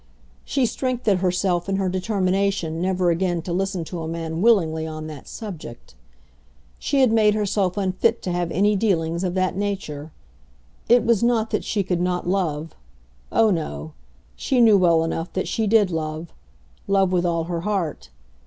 She strengthened herself in her determination never again to listen to a man willingly on that subject. She had made herself unfit to have any dealings of that nature. It was not that she could not love. Oh, no! She knew well enough that she did love, love with all her heart.